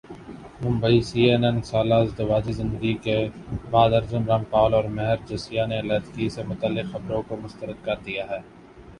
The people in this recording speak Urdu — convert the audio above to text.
ممبئی سی این این سالہ ازدواجی زندگی کے بعد ارجن رامپال اور مہر جسیہ نے علیحدگی سے متعلق خبروں کع مسترد کردیا ہے